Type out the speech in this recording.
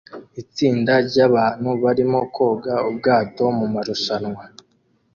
Itsinda ryabantu barimo koga ubwato mumarushanwa